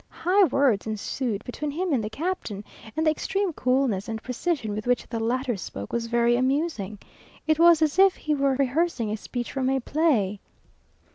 High words ensued between him and the captain, and the extreme coolness and precision with which the latter spoke, was very amusing. It was as if he were rehearsing a speech from a play.